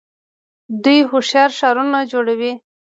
دوی هوښیار ښارونه جوړوي.